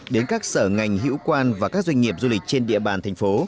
đến các sở ngành hữu quan và các doanh nghiệp du lịch trên địa bàn thành phố